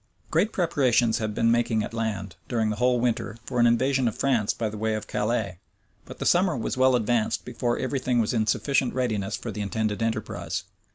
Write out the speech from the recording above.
Great preparations had been making at land, during the whole winter, for an invasion on France by the way of Calais; but the summer was well advanced before every thing was in sufficient readiness for the intended enterprise.